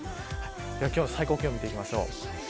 では今日の最高気温見ていきましょう。